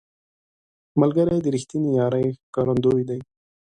ملګری د رښتینې یارۍ ښکارندوی دی